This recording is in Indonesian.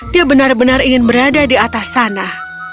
dia benar benar ingin berada di atas sana